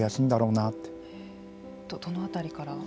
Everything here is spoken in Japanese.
どの辺りから？